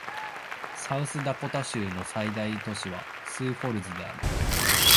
サウスダコタ州の最大都市はスーフォールズである